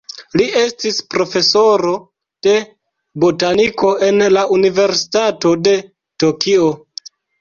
Li estis profesoro de botaniko en la Universitato de Tokio.